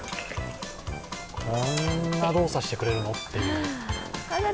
こんな動作してくれるの？っていう。